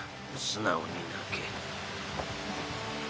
素直に泣け。